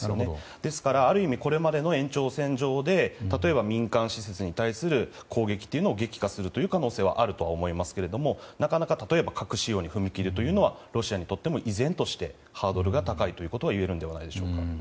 ですから、ある意味これまでの延長線上で例えば民間施設に対する攻撃というのを激化する可能性はあるとは思いますがなかなか核使用に踏み切るというのはロシアにとっても依然としてハードルが高いといえるのではないでしょうか。